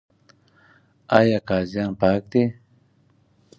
آیا قاضیان پاک دي؟